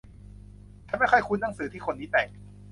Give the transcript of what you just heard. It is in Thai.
ฉันไม่ค่อยคุ้นหนังสือที่คนนี้แต่ง